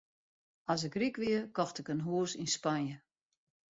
As ik ryk wie, kocht ik in hûs yn Spanje.